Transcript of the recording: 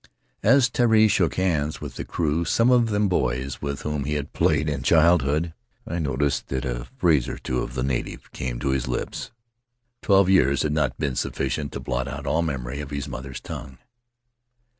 As Terii shook hands with the crew — some of them boys with whom he had played in child hood — I noticed that a phrase or two of the native came to his lips — twelve years had not been sufficient to blot out all memory of his mother's tongue.